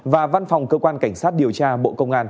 và văn phòng cơ quan cảnh sát điều tra bộ công an